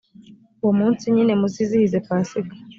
uwo munsi nyine muzizihize pasika